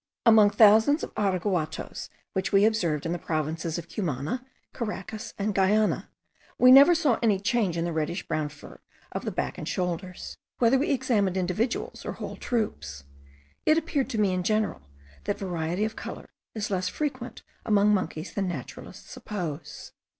Among thousands of araguatoes which we observed in the provinces of Cumana, Caracas, and Guiana, we never saw any change in the reddish brown fur of the back and shoulders, whether we examined individuals or whole troops. It appeared to me in general, that variety of colour is less frequent among monkeys than naturalists suppose.